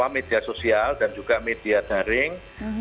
media sosial dan juga media daring